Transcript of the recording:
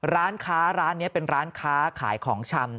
ร้านค้าร้านนี้เป็นร้านค้าขายของชำ